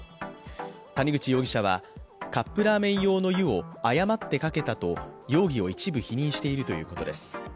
谷口容疑者は、カップラーメン用の湯を誤ってかけたと容疑を一部否認しているということです。